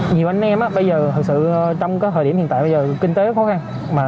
nhiều anh em bây giờ thật sự trong thời điểm hiện tại bây giờ kinh tế khó khăn